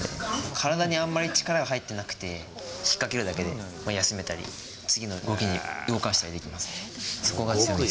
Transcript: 体にあんまり力が入ってなくて、引っかけるだけで休めたり、次の動きに動かしたりできます。